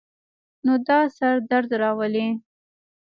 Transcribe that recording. نو دا سر درد راولی